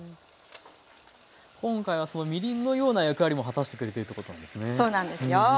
今回はそのみりんのような役割も果たしてくれているってことなんですね。